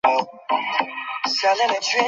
কী ব্যাপার, বাবা?